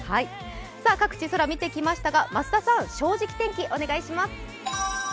各地空を見てきましたが、増田さん、「正直天気」お願いします